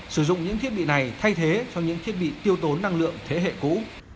sử dụng những thiết bị này thay thế cho những thiết bị tiêu tốn năng lượng thế hệ cũ